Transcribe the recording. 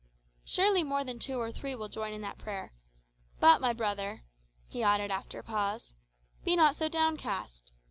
"Surely more than two or three will join in that prayer. But, my brother," he added, after a pause, "be not so downcast.